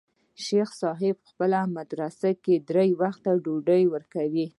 شيخ صاحب په خپله مدرسه کښې درې وخته ډوډۍ وركوي.